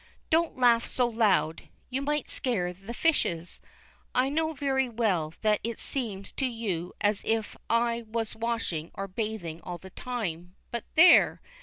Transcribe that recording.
Don't laugh so loud, you might scare the fishes. I know very well that it seems to you as if I was washing or bathing all the time, but there!